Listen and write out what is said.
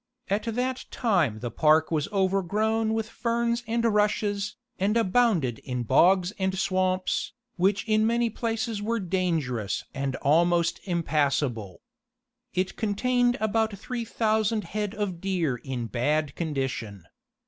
At that time the park was over grown with fern and rushes, and abounded in bogs and swamps, which in many places were dangerous and almost impassable. It contained about three thousand head of deer in bad condition.